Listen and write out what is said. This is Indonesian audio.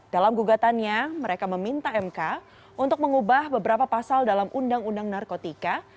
dalam gugatannya mereka meminta mk untuk mengubah beberapa pasal dalam undang undang narkotika